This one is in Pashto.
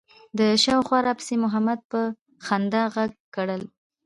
د شا له خوا راپسې محمد په خندا غږ کړل.